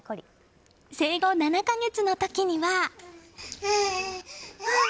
生後７か月の時には。